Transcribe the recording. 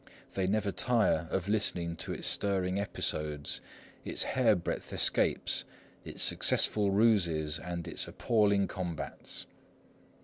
They never tire of listening to its stirring episodes, its hair breadth escapes, its successful ruses, and its appalling combats.